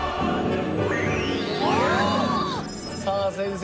さあ先生